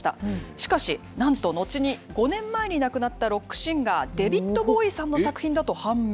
しかし、なんと後に、５年前に亡くなったロックシンガー、デビッド・ボウイさんの作品だと判明。